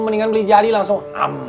mendingan beli jadi langsung